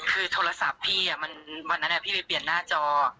คือโทรศัพท์พี่วันนั้นพี่ไปเปลี่ยนหน้าจอ